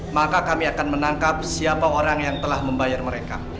maka kami akan menangkap siapa orang yang telah membayar mereka